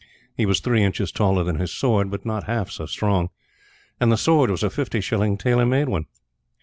He was three inches taller than his sword, but not half so strong. And the sword was a fifty shilling, tailor made one.